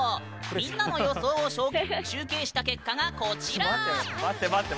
みんなの予想を集計した結果がこちら！